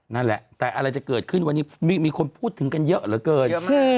นั่นแหละแต่อะไรจะเกิดขึ้นวันนี้มีคนพูดถึงกันเยอะเหลือเกิน